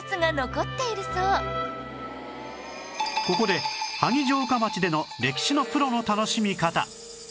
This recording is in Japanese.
ここで萩城下町での歴史のプロの楽しみ方